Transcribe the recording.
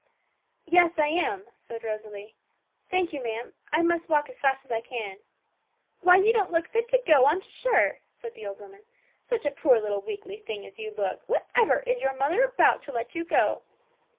'Yes, I am,' said Rosalie. 'Thank you, ma'am; I must walk as fast as I can.' 'Why, you don't look fit to go, I'm sure!' said the old woman; 'such a poor little weakly thing as you look! Whatever is your mother about, to let you go?'